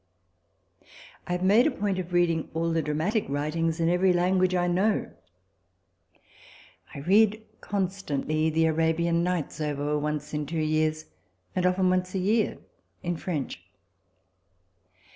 I have made a point of reading all the dramatic writings in every language I know. I read constantly the " Arabian Nights " over once in two years, and often once a year, in French.